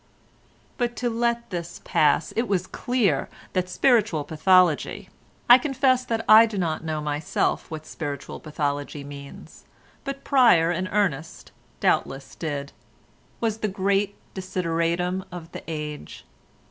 But, to let this pass, it was clear that spiritual pathology (I confess that I do not know myself what spiritual pathology means—but Pryer and Ernest doubtless did) was the great desideratum of the age.